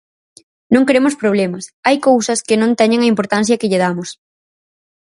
Non queremos problemas, hai cousas que non teñen a importancia que lle damos...